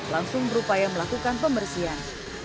langsung berupaya melakukan pembersihan